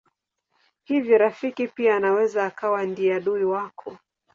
Hivyo rafiki pia anaweza akawa ndiye adui wako.